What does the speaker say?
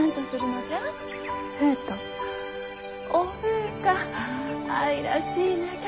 おふうか愛らしい名じゃ。